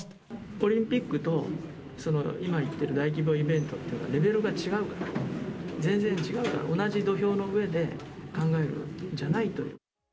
オリンピックと、今言っている大規模イベントっていうのはレベルが違うから、全然違うから、同じ土俵の上で考えるんじゃないと。